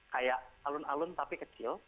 kayak alun alun tapi kecil